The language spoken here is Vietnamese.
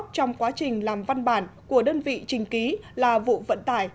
trong quá trình làm văn bản của đơn vị trình ký là vụ vận tải